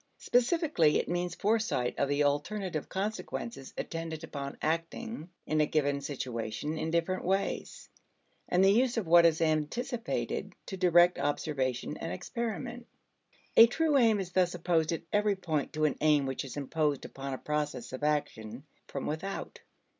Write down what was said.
Specifically it means foresight of the alternative consequences attendant upon acting in a given situation in different ways, and the use of what is anticipated to direct observation and experiment. A true aim is thus opposed at every point to an aim which is imposed upon a process of action from without.